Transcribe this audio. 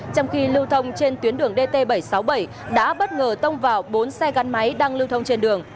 trong khi lưu thông trên tuyến đường dt bảy trăm sáu mươi bảy đã bất ngờ tông vào bốn xe gắn máy đang lưu thông trên đường